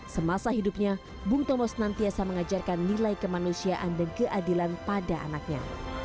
semasa hidupnya bung tomo senantiasa mengajarkan nilai kemanusiaan dan keadilan pada anaknya